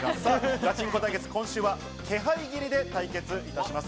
ガチンコ対決、今週は気配斬りで対決します。